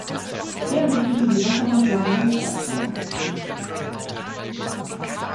Er richtete die Wasserversorgung der Stadt ein.